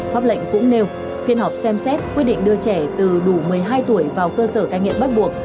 pháp lệnh cũng nêu phiên họp xem xét quyết định đưa trẻ từ đủ một mươi hai tuổi vào cơ sở cai nghiện bắt buộc